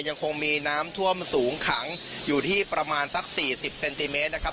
ยังคงมีน้ำท่วมสูงขังอยู่ที่ประมาณสัก๔๐เซนติเมตรนะครับ